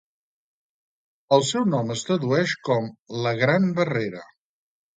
El seu nom es tradueix com "la Gran Barrera".